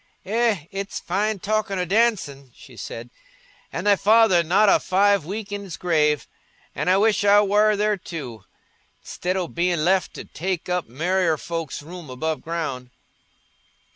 "Eh, it's fine talkin' o' dancin'," she said, "an' thy father not a five week in's grave. An' I wish I war there too, i'stid o' bein' left to take up merrier folks's room above ground."